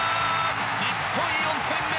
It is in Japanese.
日本、４点目！